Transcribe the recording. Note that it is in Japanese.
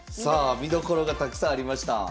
さあ見どころがたくさんありました。